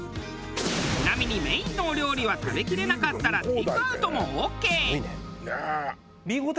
ちなみにメインのお料理は食べ切れなかったらテイクアウトもオーケー。